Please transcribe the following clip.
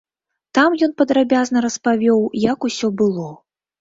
Там ён падрабязна распавёў, як усё было.